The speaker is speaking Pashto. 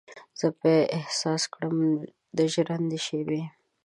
زه به احساس کړمه د ژرندې شیبې